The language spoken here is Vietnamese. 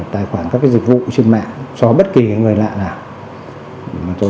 tài khoản các dịch vụ trên mạng cho bất kỳ người lạ nào